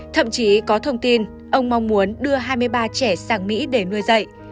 thậm chí có thông tin ông mong muốn đưa hai mươi ba trẻ sang mỹ để nuôi dạy